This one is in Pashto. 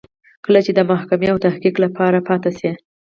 کله چې د محاکمې او تحقیق لپاره پاتې شي.